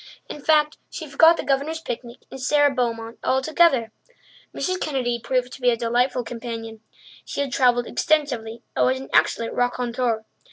In fact, she forgot the Governor's picnic and Sara Beaumont altogether. Mrs. Kennedy proved to be a delightful companion. She had travelled extensively and was an excellent raconteur.